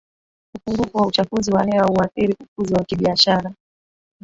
upungufu wa uchafuzi wa hewa hauathiri ukuzi wa kibiashara